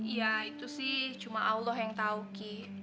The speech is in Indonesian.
iya itu sih cuma allah yang tau ki